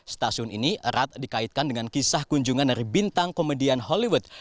stasiun ini erat dikaitkan dengan kisah kunjungan dari bintang komedian hollywood